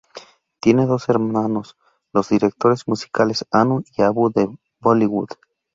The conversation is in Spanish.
Tiene dos hermanos, los directores musicales, Anu y Abu de Bollywood.